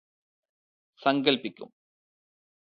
സങ്കല്പ്പിക്കും